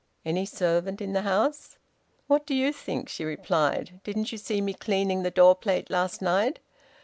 "Any servant in the house?" "What do you think?" she replied. "Didn't you see me cleaning the door plate last night?